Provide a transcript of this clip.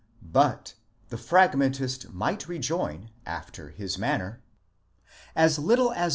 But, the Fragmentist might rejoin, after his manner: as little as.